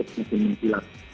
penguji yang hilang